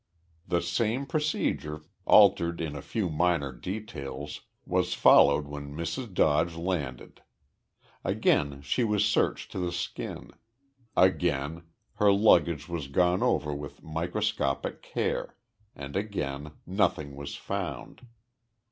The same procedure, altered in a few minor details, was followed when Mrs. Dodge landed. Again she was searched to the skin; again her luggage was gone over with microscopic care, and again nothing was found.